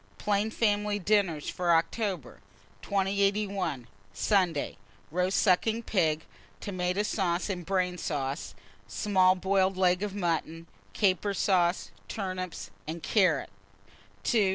PLAIN FAMILY DINNERS FOR OCTOBER. 2081. Sunday. 1. Roast sucking pig, tomata sauce and brain sauce; small boiled leg of mutton, caper sauce, turnips, and carrots.